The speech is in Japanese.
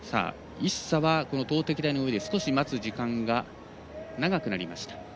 イッサは投てき台の記録で少し待つ時間が長くなりました。